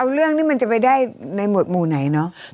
เอาเรื่องนี้มันจะไปได้ในหวดหมู่ไหนเนาะ